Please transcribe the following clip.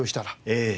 ええ。